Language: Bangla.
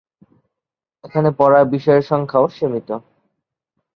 এখানে পড়ার বিষয়ের সংখ্যাও সীমিত।